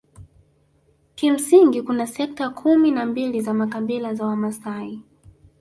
Kimsingi kuna sekta kumi na mbili za kabila la Wamasai